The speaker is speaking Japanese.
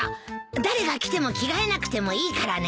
誰が来ても着替えなくてもいいからね。